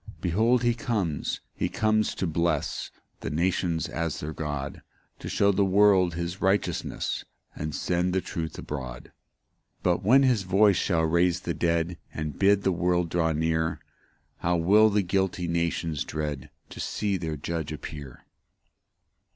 5 Behold he comes, he comes to bless The nations as their God; To shew the world his righteousness, And send his truth abroad. 6 But when his voice shall raise the dead, And bid the world draw near, How will the guilty nations dread To see their Judge appear!